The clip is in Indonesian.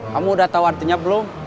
kamu udah tahu artinya belum